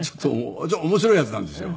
面白いヤツなんですよ。